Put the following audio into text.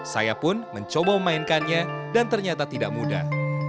saya pun mencoba memainkannya dan ternyata tidak mudah